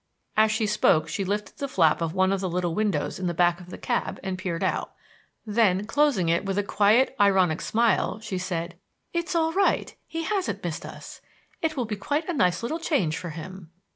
As she spoke, she lifted the flap of one of the little windows in the back of the cab and peered out. Then, closing it with a quiet, ironic smile, she said: "It is all right; he hasn't missed us. It will be quite a nice little change for him."